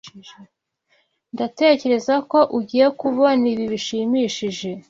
Ndatekereza ko ugiye kubona ibi bishimishije.